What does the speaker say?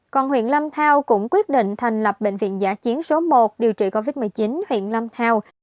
còn huyện lâm thao cũng quyết định thành lập bệnh viện giả chiến số một điều trị covid một mươi chín huyện lâm thao